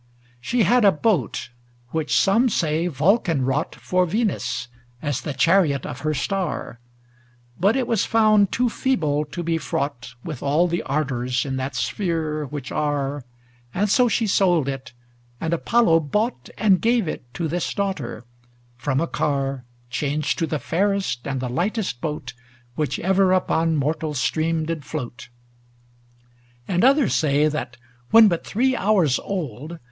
XXXI She had a boat which some say Vulcan wrought For Venus, as the chariot of her star; But it was found too feeble to be fraught With all the ardors in that sphere which are, And so she sold it, and Apollo bought And gave it to this daughter; from a car Changed to the fairest and the lightest boat Which ever upon mortal stream did float. XXXII And others say, that, when but three hours old.